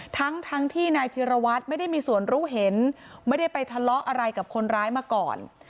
ทั้งทั้งที่นายธิรวัตรไม่ได้มีส่วนรู้เห็นไม่ได้ไปทะเลาะอะไรกับคนร้ายมาก่อน